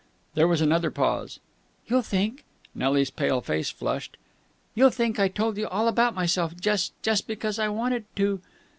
There was another pause. "You'll think " Nelly's pale face flushed. "You'll think I told you all about myself just just because I wanted to...."